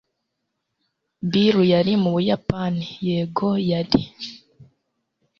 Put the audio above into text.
bill yari mu buyapani? yego, yari